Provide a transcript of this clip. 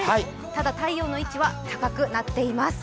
ただ、太陽の位置は高くなっています。